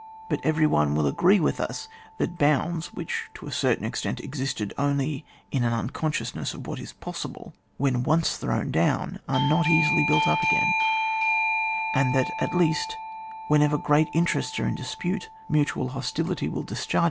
But every one will agree with us, that boimds, which to a certain extent existed only in an imconsciousness of what is possible, when once thrown down, are not e£isily built up again ; and that, at least, whenever great interests are in dispute, mutual hostility will discharge 66 ON WAR.